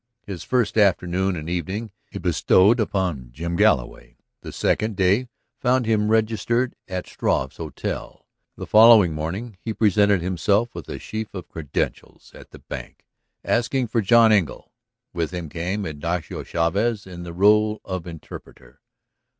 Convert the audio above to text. His first afternoon and evening he bestowed upon Jim Galloway. The second day found him registered at Struve's hotel. The following morning he presented himself with a sheaf of credentials at the bank, asking for John Engle. With him came Ignacio Chavez in the rôle of interpreter.